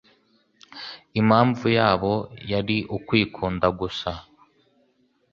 Impamvu yabo yari ukwikunda gusa.